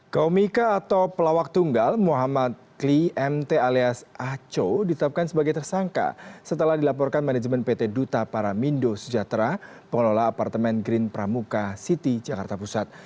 komika atau pelawak tunggal muhammad kli mt alias aco ditetapkan sebagai tersangka setelah dilaporkan manajemen pt duta paramindo sejahtera pengelola apartemen green pramuka city jakarta pusat